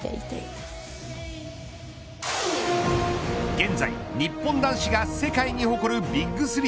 現在、日本男子が世界に誇るビッグ３。